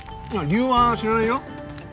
理由は知らないよ。